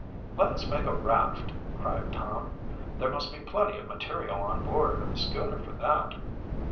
"Let us make a raft," cried Tom. "There must be plenty of material on board of the schooner for that."